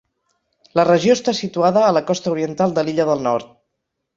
La regió està situada a la costa oriental de l'Illa del Nord.